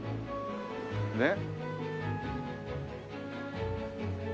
ねっ。